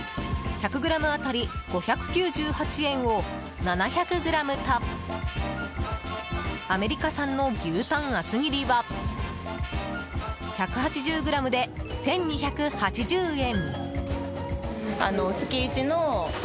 １００ｇ当たり５９８円を７００ｇとアメリカ産の牛タン厚切りは１８０ｇで１２８０円。